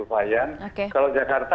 lumayan kalau jakarta